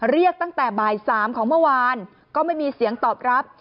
เรียกตั้งแต่บ่าย๓ของเมื่อวานก็ไม่มีเสียงตอบรับ